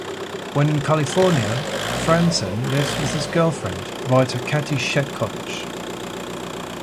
When in California, Franzen lives with his girlfriend, writer Kathy Chetkovich.